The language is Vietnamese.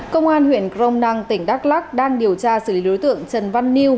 công an huyện crong năng tỉnh đắk lắc đang điều tra xử lý đối tượng trần văn liêu